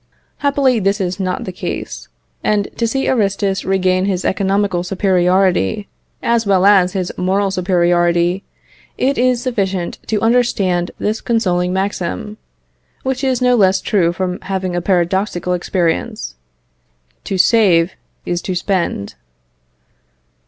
Happily, this is not the case; and to see Aristus regain his economical superiority, as well as his moral superiority, it is sufficient to understand this consoling maxim, which is no less true from having a paradoxical appearance, "To save is to spend."